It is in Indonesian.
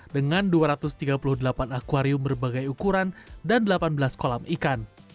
dengan dua ratus tiga puluh delapan akwarium berbagai ukuran dan delapan belas kolam ikan